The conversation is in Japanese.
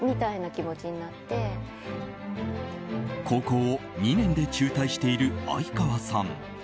高校を２年で中退している相川さん。